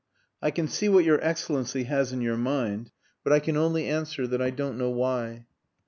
"I can see what your Excellency has in your mind. But I can only answer that I don't know why."